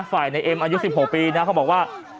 ฝ่ายในเอ็มอายุ๑๖ปีเขาบอกว่า